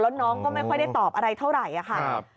แล้วน้องก็ไม่ค่อยได้ตอบอะไรเท่าไหร่ค่ะ